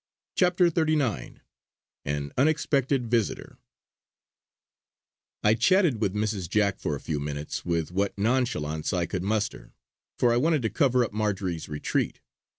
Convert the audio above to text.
CHAPTER XXXIX AN UNEXPECTED VISITOR I chatted with Mrs. Jack for a few minutes with what nonchalance I could muster, for I wanted to cover up Marjory's retreat.